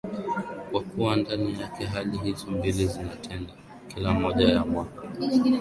kwa kuwa ndani yake hali hizo mbili zinatenda kila moja ya kwake